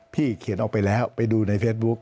เขียนออกไปแล้วไปดูในเฟซบุ๊ค